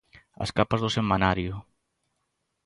As capas do semanario.